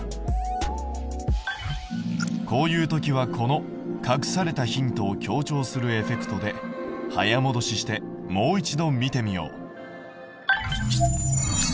こういう時はこの隠されたヒントを強調するエフェクトで早もどししてもう一度見てみよう。